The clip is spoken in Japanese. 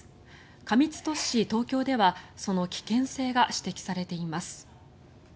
過密都市・東京ではその危険性が指摘されています。